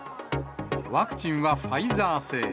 ワクチンはファイザー製。